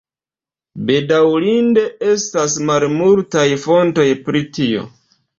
Bedaŭrinde estas malmultaj fontoj pri tio.